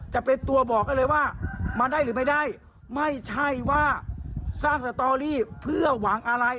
จะเป็นตัวบอกได้เลยว่ามาได้หรือไม่ได้ไม่ใช่ว่าสร้างสตอรี่เพื่อหวังอะไร